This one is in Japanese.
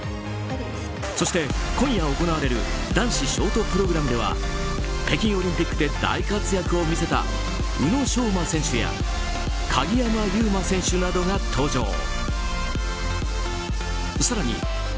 そして今夜行われる男子ショートプログラムでは北京オリンピックで大活躍を見せた宇野昌磨選手や鍵山優真選手などが登場。